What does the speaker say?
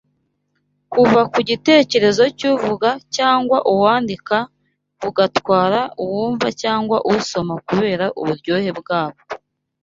Buva ku gitekerezo cy’uvuga cyangwa uwandika bugatwara uwumva cyangwa usoma kubera uburyohe bwabwo